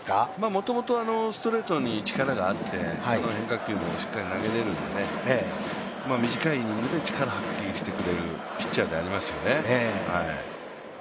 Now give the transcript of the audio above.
もともとストレートに力があって変化球もしっかり投げれるんで、短いイニングで力、発揮してくれるピッチャーでありますよね。